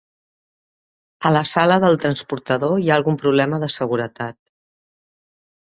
A la sala del transportador hi ha algun problema de seguretat.